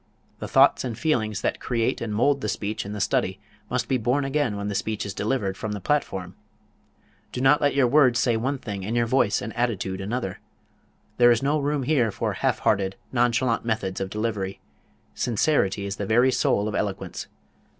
The thoughts and feelings that create and mould the speech in the study must be born again when the speech is delivered from the platform. Do not let your words say one thing, and your voice and attitude another. There is no room here for half hearted, nonchalant methods of delivery. Sincerity is the very soul of eloquence.